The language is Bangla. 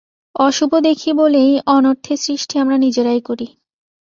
অশুভ দেখি বলেই অনর্থের সৃষ্টি আমরা নিজেরাই করি।